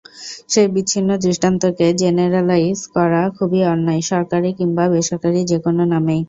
সেই বিচ্ছিন্ন দৃষ্টান্তকে জেনেরালাইজ করা খুবই অন্যায়, সরকারি কিংবা বেসরকারি যেকোনো নামেই।